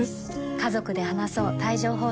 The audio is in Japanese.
家族で話そう帯状疱疹